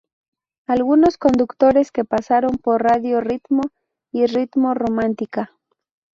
Algunos conductores que pasaron por Radio Ritmo y Ritmo Romántica.